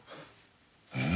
うん？